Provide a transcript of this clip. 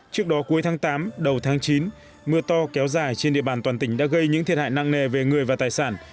trước đó cuối tháng tám đầu tháng chín mưa to kéo dài trên địa bàn toàn tỉnh đã gây những thiệt hại nặng nề về người và tài sản